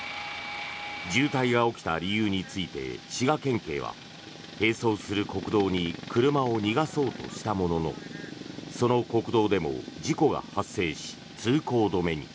渋滞が起きた理由について滋賀県警は並走する国道に車を逃がそうとしたもののその国道でも事故が発生し通行止めに。